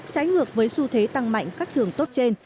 trái ngược với xu thế tăng mạnh các trường tốt trên